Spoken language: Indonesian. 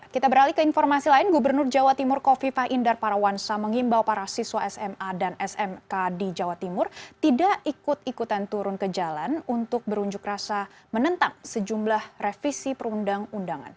kita beralih ke informasi lain gubernur jawa timur kofifah indar parawansa mengimbau para siswa sma dan smk di jawa timur tidak ikut ikutan turun ke jalan untuk berunjuk rasa menentang sejumlah revisi perundang undangan